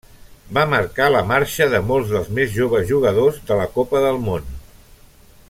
Va marcar la marxa de molts dels més joves jugadors de la Copa del Món.